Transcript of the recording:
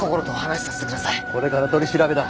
これから取り調べだ。